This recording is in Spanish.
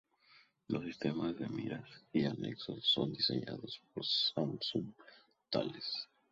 Los sistemas de miras y anexos son diseñados por Samsung Thales.